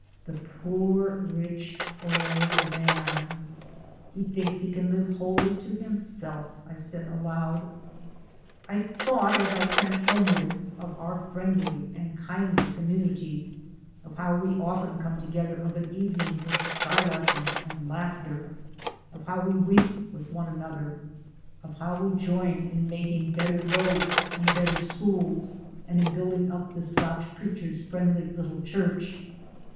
The poor rich old man! "He thinks he can live wholly to himself," I said aloud. I thought, as I tramped homeward, of our friendly and kindly community, of how we often come together of an evening with skylarking and laughter, of how we weep with one another, of how we join in making better roads and better schools, and building up the Scotch Preacher's friendly little church.